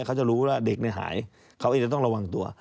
เขาจะรู้ว่าเด็กหายเขาเองจะต้องระวังตัว